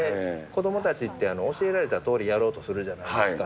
子どもたちって、教えられたとおりやろうとするじゃないですか。